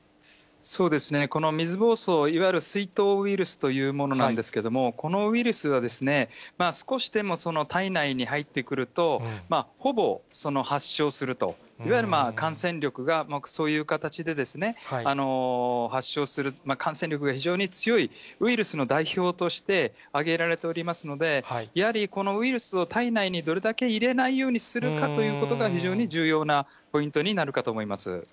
この水ぼうそう、いわゆる水痘ウイルスというものなんですけれども、このウイルスは、少しでも体内に入ってくると、ほぼ発症すると、いわゆる感染力が、そういう形でですね、発症する、感染力が非常に強いウイルスの代表として挙げられておりますので、やはりこのウイルスを体内にどれだけ入れないようにするかということが、非常に重要なポイントになるかと思います。